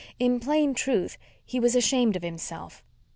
In plain truth, he was ashamed of himself.